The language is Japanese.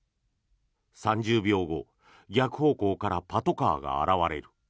３０秒後逆方向からパトカーが現れる。